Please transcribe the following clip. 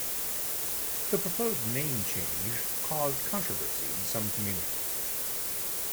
The proposed name change caused controversy in some communities.